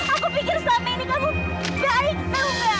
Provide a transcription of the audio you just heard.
aku pikir selama ini kamu baik seger